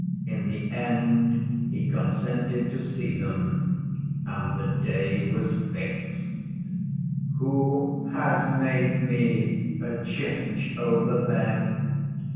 In the end he consented to see them, and the day was fixed. "Who has made me a judge over them?"